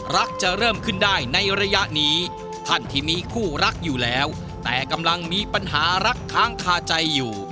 จะเริ่มขึ้นได้ในระยะนี้ท่านที่มีคู่รักอยู่แล้วแต่กำลังมีปัญหารักค้างคาใจอยู่